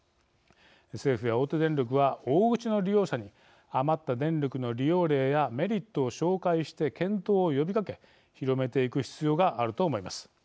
政府や大手電力は大口の利用者に余った電力の利用例やメリットを紹介して検討を呼びかけ広めていく必要があると思います。